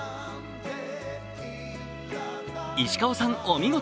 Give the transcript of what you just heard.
石川さん、お見事。